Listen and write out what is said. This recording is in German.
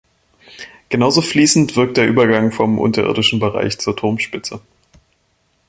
Genauso fließend wirkt der Übergang vom unterirdischen Bereich zur Turmspitze.